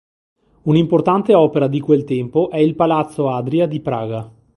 Un'importante opera di quel tempo è il Palazzo Adria di Praga.